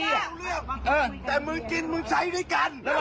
เรื่องแต่มึงกินมึงใช้ด้วยกัน